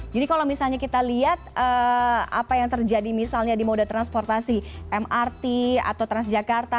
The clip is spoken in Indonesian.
jadi kalau misalnya kita lihat apa yang terjadi misalnya di mode transportasi mrt atau transjakarta